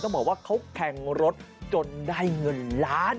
บอกว่าเขาแข่งรถจนได้เงินล้าน